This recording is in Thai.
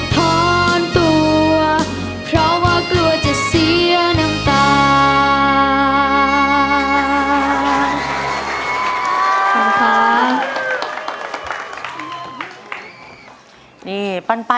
ถอนตัวเพราะว่ากลัวจะเสียน้ำตา